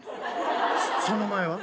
その前は？